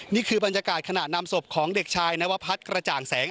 นี่คือบรรยากาศขณะนำศพของเด็กชายนวพัฒน์กระจ่างแสง